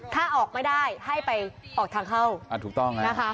ถ้าออกไม่ได้ให้ไปออกทางเข้าถูกต้องนะคะ